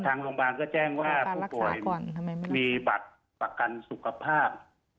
ทางโรงพยาบาลก็แจ้งว่าผู้ป่วยมีบัตรประกันสุขภาพ